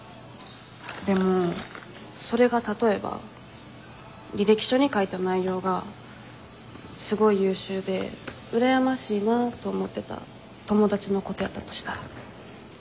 でもそれが例えば履歴書に書いた内容がすごい優秀で羨ましいなと思ってた友達のことやったとしたら。